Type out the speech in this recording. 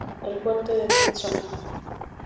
El fuerte de Ntra.